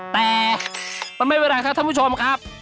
แต่มันไม่เป็นไรครับท่านผู้ชมครับ